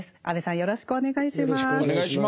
よろしくお願いします。